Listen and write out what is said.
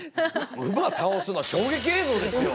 馬倒すのは衝撃映像ですよ。